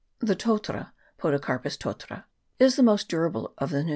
The totara (Podocarpus totara) is the most durable of the New CHAP.